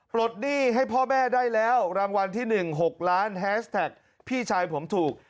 ปลดหนี้ให้พ่อแม่ได้แล้วรางวัลที่๑๖ล้านแฮสแท็กพี่ชายผมถูก